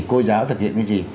cô giáo thực hiện cái gì